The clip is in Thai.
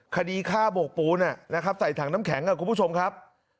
คดีฆ่าโบกปูนใส่ถังน้ำแข็งคุณผู้ชมครับ